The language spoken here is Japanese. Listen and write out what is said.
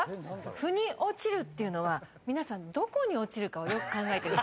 「フに落ちる」っていうのは皆さんどこに落ちるかをよく考えてみてくださいね。